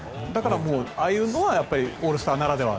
ああいうのはオールスターならではと。